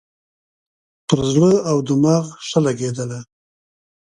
پر زړه او دماغ ښه لګېدله.